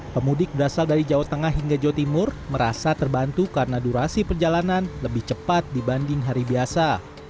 pemudik berasal dari jawa tengah hingga jawa timur merasa terbantu karena durasi perjalanan lebih cepat dibanding hari biasa